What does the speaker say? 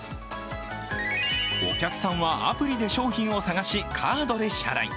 お客さんはアプリで商品を探しカードで支払い。